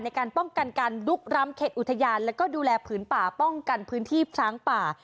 ในการป้องกันการลุกร้ำเขตอุทยานแล้วก็ดูแลผืนป่าป้องกันพื้นที่ช้างป่า